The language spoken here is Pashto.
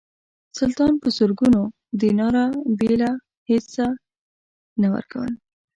سلطان په زرګونو دیناره بېله هیڅه نه ورکول.